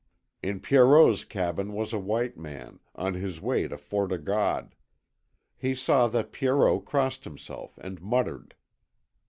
In Pierrot's cabin was a white man, on his way to Fort O' God. He saw that Pierrot crossed himself, and muttered.